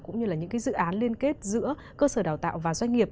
cũng như là những dự án liên kết giữa cơ sở đào tạo và doanh nghiệp